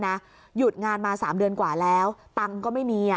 หยุดงานมา๓เดือนกว่าแล้วตังค์ก็ไม่มี